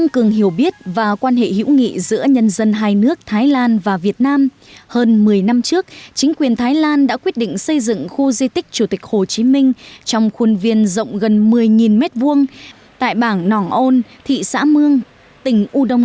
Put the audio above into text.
chủ tịch hồ chí minh đã đừng chủ tịch hồ chí minh đặt niền mỏng